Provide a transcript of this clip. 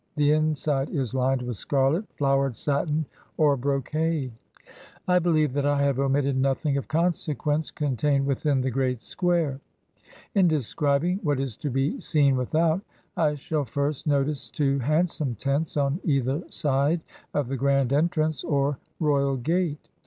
The inside is lined ^ith scarlet, flowered satin, or brocade. I believe that I have omitted nothing of consequence contained within the great square. In describing what is to be seen without, I shall first notice two handsome tents on either side of the grand entrance, or royal gate.